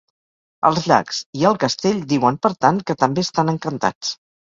Els llacs i el castell diuen, per tant, que també estant encantats.